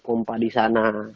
pompa di sana